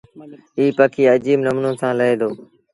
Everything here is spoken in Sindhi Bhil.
ايٚ پکي اجيب نموٚني سآݩ لهي دو۔